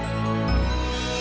saya ke kamar dulu ya